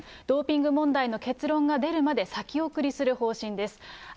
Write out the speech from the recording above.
ドーピング問題の結論が出るまで先送りする方針です。